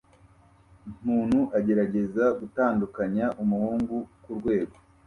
Umuntu aragerageza gutandukanya umuhungu kurwego